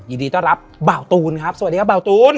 ยินดีต้อนรับเบาตูนครับสวัสดีครับบ่าวตูน